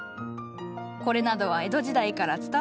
これなどは江戸時代から伝わる模様。